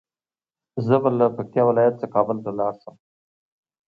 زه به له پکتيا ولايت څخه کابل ته لاړ شم